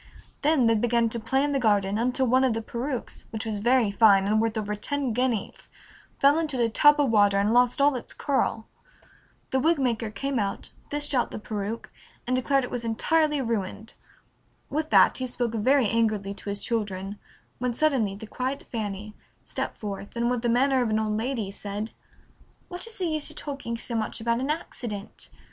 Then they began to play in the garden until one of the perukes, which was very fine and worth over ten guineas, fell into a tub of water and lost all its curl. The wig maker came out, fished out the peruke, and declared it was entirely ruined. With that he spoke very angrily to his children, when suddenly the quiet Fanny stepped forth, and with the manner of an old lady said, "What is the use of talking so much about an accident?